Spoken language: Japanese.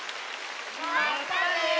まったね！